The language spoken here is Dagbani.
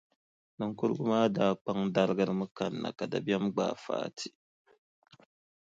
Niŋkurugu maa daa kpaŋ darigirimi kanna, ka dabiɛm gbaai Fati.